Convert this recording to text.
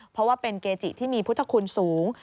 เพราะว่าเป็นเกจิที่มีพุทธคุณสูง